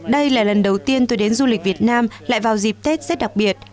đây là lần đầu tiên tôi đến du lịch việt nam lại vào dịp tết rất đặc biệt